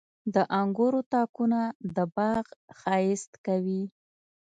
• د انګورو تاکونه د باغ ښایست کوي.